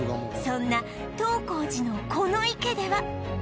そんな東光寺のこの池では